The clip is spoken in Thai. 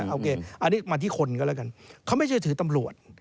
อันนี้มาที่คนก็แล้วกันเค้าไม่เชื่อถือตำรวจ